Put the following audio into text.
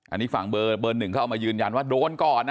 อันนี้ฝั่งเบอร์๑เค้าเอาใหม่ยื่นยันว่าโดนก่อน